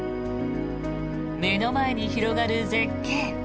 目の前に広がる絶景。